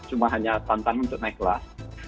ini bukan hanya tantangan untuk naik kelas